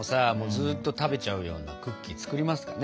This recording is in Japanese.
ずーっと食べちゃうようなクッキー作りますかね？